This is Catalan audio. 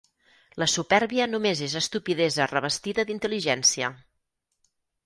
La supèrbia només és estupidesa revestida d'intel·ligència.